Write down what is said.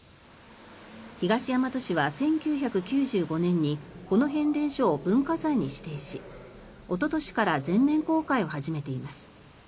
東大和市は１９９５年にこの変電所を文化財に指定しおととしから全面公開を始めています。